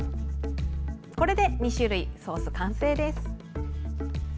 これで２種類のソース完成です。